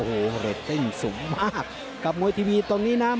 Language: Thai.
โอ้โหสูงมากกับมวยทีวีตรงนี้น่ะ